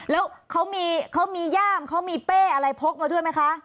แล้วเขามีย่ามเขามีเป้อะไรพกมาด้วยไหมคะ